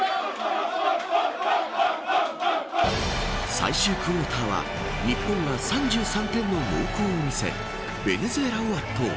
最終クオーターは日本が３３点の猛攻を見せベネズエラを圧倒。